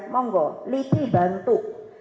monggo liti bantu